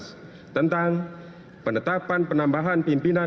saya yang mendengarkan pembentuk sistem pimpinan